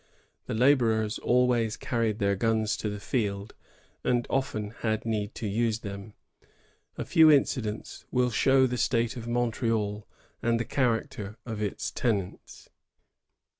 The laborers always carried their guns to the field, and often had need to use them. A few incidents will show the state of Montreal and the character of its tenants.